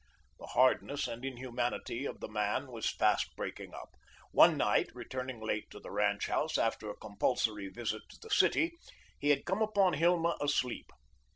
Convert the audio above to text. The hardness and inhumanity of the man was fast breaking up. One night, returning late to the Ranch house, after a compulsory visit to the city, he had come upon Hilma asleep.